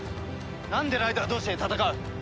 なんでライダー同士で戦う！？